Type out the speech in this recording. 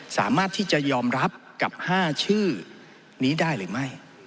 สามารถที่จะยอมรับกับ๕ชื่อนี้ได้หรือไม่